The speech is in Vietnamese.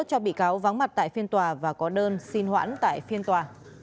cho bị cáo vắng mặt tại phiên tòa và có đơn xin hoãn tại phiên tòa